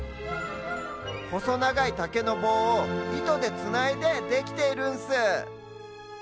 ほそながいたけのぼうをいとでつないでできているんス。